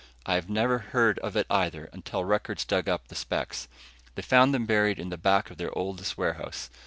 "I never heard of it either until Records dug up the specs. They found them buried in the back of their oldest warehouse.